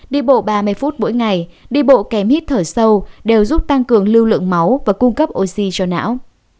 đi bộ ba mươi phút mỗi ngày đi bộ kèm hít thở sâu đều giúp tăng cường lưu lượng máu và cung cấp oxy cho não